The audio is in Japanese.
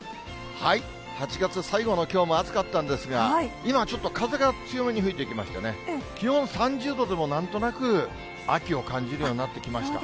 ８月最後のきょうも暑かったんですが、今、ちょっと風が強めに吹いてきましてね、気温３０度でも、なんとなく秋を感じるようになってきました。